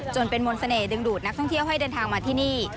จนเป็นมนต์เสน่หดึงดูดนักท่องเที่ยวให้เดินทางมาที่นี่